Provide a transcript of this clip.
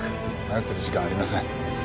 迷ってる時間はありません。